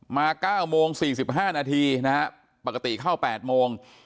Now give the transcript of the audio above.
๙โมง๔๕นาทีนะฮะปกติเข้า๘โมง